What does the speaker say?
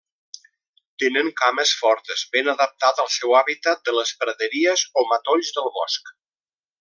Tenen cames fortes, ben adaptat al seu hàbitat de les praderies o matolls del bosc.